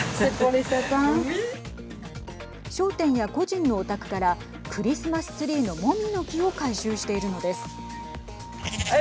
商店や個人のお宅からクリスマスツリーのもみの木を回収しているのです。